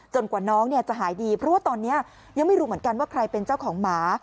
กว่าน้องจะหายดีเพราะว่าตอนนี้ยังไม่รู้เหมือนกันว่าใครเป็นเจ้าของหมา